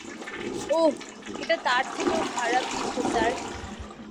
ওহ, এটা তার থেকেও খারাপ কিছু, স্যার।